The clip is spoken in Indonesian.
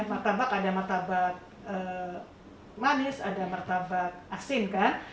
martabak ada martabak manis ada martabak asin kan